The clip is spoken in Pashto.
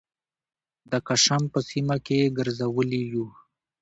د کشم په سیمه کې یې ګرځولي یوو